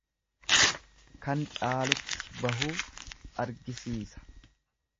Kan caalutti bahuu argisiisa.